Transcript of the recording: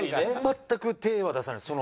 全く手は出さないです。